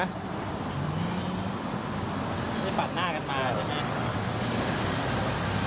ไม่ปัดหน้ากันมาเลยไหม